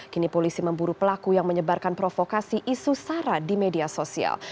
kini polisi memburu pelaku yang menyebarkan provokasi isu sara di media sosial